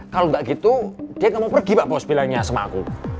kalau nggak gitu dia nggak mau pergi pak bos bilangnya sama aku